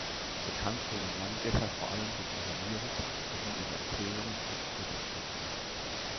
Bekannt wurde Langgässer vor allem durch ihre Lyrik sowie ihre Erzählungen und Kurzgeschichten.